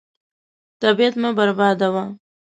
طبیعت مه بربادوه.